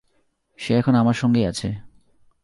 সে এখন আমার সঙ্গেই আছে।